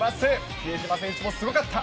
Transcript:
比江島選手、すごかった。